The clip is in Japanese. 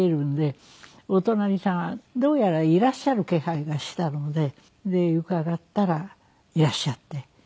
お隣さんはどうやらいらっしゃる気配がしたので伺ったらいらっしゃって。